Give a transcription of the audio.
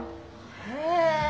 へえ。